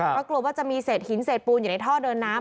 เพราะกลัวว่าจะมีเศษหินเศษปูนอยู่ในท่อเดินน้ำ